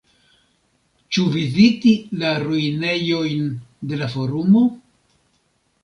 Ĉu viziti la ruinejojn de la Forumo?